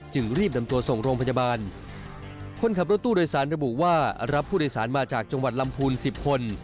จึงรีบลำตัวส่งโรงพัฒบาลคนขับรถตู้โดยสารเรียนปิวารับผู้โดยสารมาจากจลำพูล๑๐คน